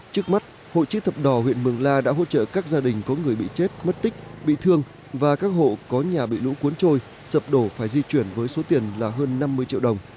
trước mắt hội chữ thập đỏ huyện mường la đã hỗ trợ các gia đình có người bị chết mất tích bị thương và các hộ có nhà bị lũ cuốn trôi sập đổ phải di chuyển với số tiền là hơn năm mươi triệu đồng